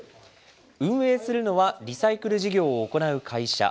運営するのは、リサイクル事業を行う会社。